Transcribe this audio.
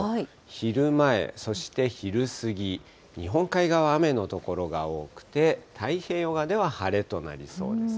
昼前、そして昼過ぎ、日本海側、雨の所が多くて、太平洋側では晴れとなりそうですね。